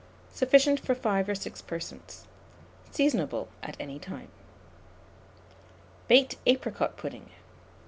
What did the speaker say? Sufficient for 5 or 6 persons. Seasonable at any time. BAKED APRICOT PUDDING.